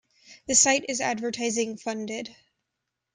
The site is advertising funded.